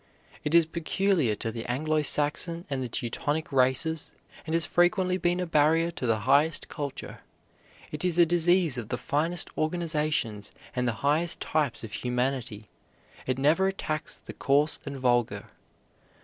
It is peculiar to the Anglo Saxon and the Teutonic races, and has frequently been a barrier to the highest culture. It is a disease of the finest organizations and the highest types of humanity. It never attacks the coarse and vulgar.